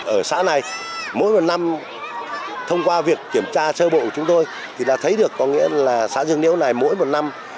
ở xã này mỗi một năm thông qua việc kiểm tra sơ bộ của chúng tôi thì đã thấy được có nghĩa là xã dương niêu này mỗi một năm